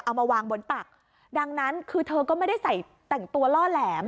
เอามาวางบนตักดังนั้นคือเธอก็ไม่ได้ใส่แต่งตัวล่อแหลม